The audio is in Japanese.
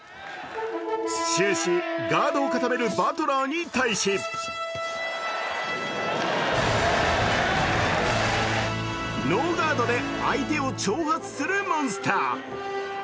終始、ガードを固めるバトラーに対しノーガードで相手を挑発するモンスター。